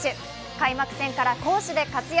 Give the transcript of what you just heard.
開幕戦から攻守で活躍。